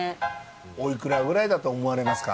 おいくらくらいだと思われますか？